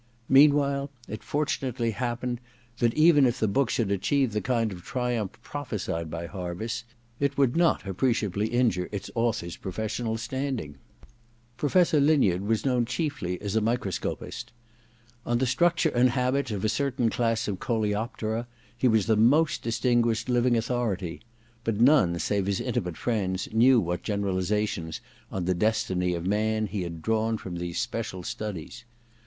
Meanwhile it fortunately happened that, even if the book should achieve the kdnd of triumph prophesied by Harviss, it would not appreciably injure its author's professional standing. Professor Linyard was known chiefly as a microscopist. On the structure and habits of a certain class of coleoptera he was the most distinguished living authority ; but none save his intimate friends knew what generalizations on the destiny of man he had drawn from these special studies.